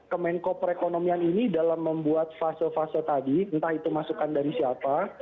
kemenko perekonomian ini dalam membuat fase fase tadi entah itu masukan dari siapa